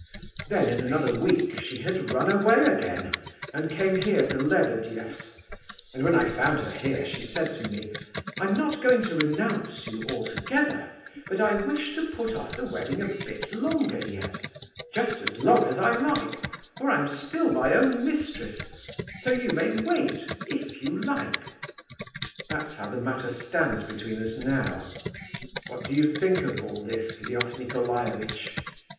"Then, in another week, she had run away again, and came here to Lebedeff's; and when I found her here, she said to me, 'I'm not going to renounce you altogether, but I wish to put off the wedding a bit longer yet—just as long as I like—for I am still my own mistress; so you may wait, if you like.' That's how the matter stands between us now. What do you think of all this, Lef Nicolaievitch?"